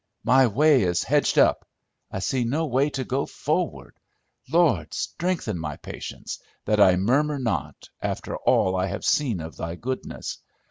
"My way is hedged up! I see no way to go forward. Lord, strengthen my patience, that I murmur not, after all I have seen of thy goodness.